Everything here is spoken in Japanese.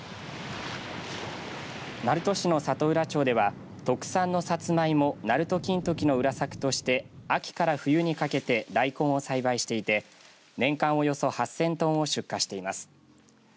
鳴門市の里浦町では特産のサツマイモなると金時の裏作として秋から冬にかけて大根を栽培していて年間およそ８０００トンを出荷しています。